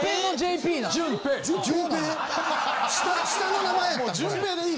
下の名前やったんこれ。